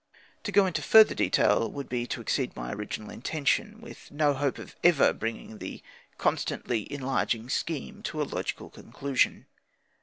To go into further detail would be to exceed my original intention, with no hope of ever bringing the constantly enlarging scheme to a logical conclusion.